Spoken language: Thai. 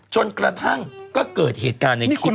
จนกระทั่งก็เกิดเหตุการณ์ในคลิป